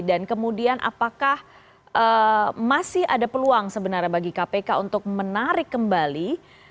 dan kemudian apakah masih ada peluang sebenarnya bagi kpk untuk menarik kembali